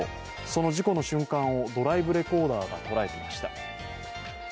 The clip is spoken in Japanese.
その事故の瞬間をドライブレコーダーが捉えていました。